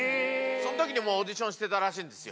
そのときにもうオーディションしてたらしいんですよ。